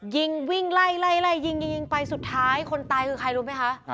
ยิงวิ่งไล่ยิงไปสุดท้ายคนตายคือใครรู้มั้ยคะ